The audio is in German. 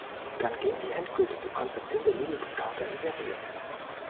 Dann ging die endgültige Konzeption der Lidl-Discounter in Serie.